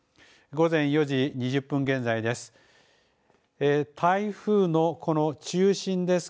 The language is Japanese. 午前４時２０分現在です。